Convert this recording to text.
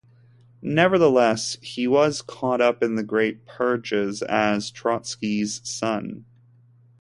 Nevertheless, he was caught up in the Great Purges as Trotsky's son.